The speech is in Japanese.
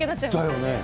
だよね。